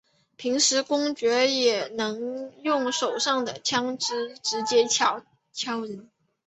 平时公爵也能用手上的枪枝直接敲人。